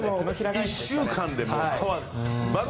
１週間で変わる。